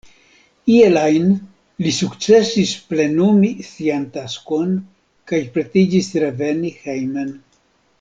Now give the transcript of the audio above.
Iel ajn, li sukcesis plenumi sian taskon kaj pretiĝis reveni hejmen.